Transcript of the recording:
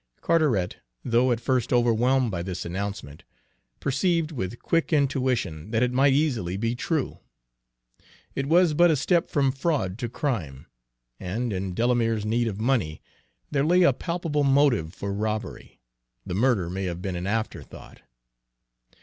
Carteret, though at first overwhelmed by this announcement, perceived with quick intuition that it might easily be true. It was but a step from fraud to crime, and in Delamere's need of money there lay a palpable motive for robbery, the murder may have been an afterthought.